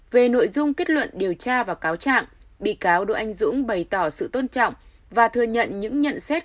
về nội dung kết luận điều tra và cáo trạng bị cáo đỗ anh dũng bày tỏ sự tôn trọng và thừa nhận những nhận xét